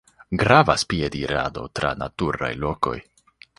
Gravas piedirado tra naturaj lokoj.